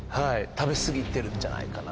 食べ過ぎてるんじゃないかな。